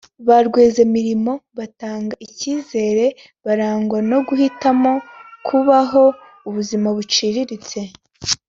Ba rwiyemezamirimo batanga icyizere barangwa no guhitamo kubaho ubuzima buciriritse